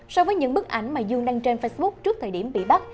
so với những bức ảnh mà dương đăng trên facebook trước thời điểm bị bắt